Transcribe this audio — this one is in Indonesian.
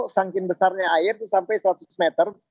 saking besarnya air itu sampai seratus meter